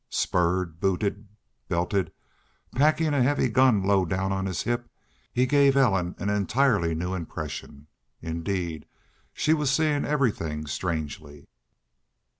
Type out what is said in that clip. Spurred, booted, belted, packing a heavy gun low down on his hip, he gave Ellen an entirely new impression. Indeed, she was seeing everything strangely.